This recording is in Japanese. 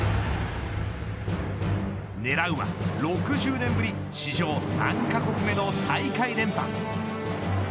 狙うは６０年ぶり史上３カ国目の大会連覇。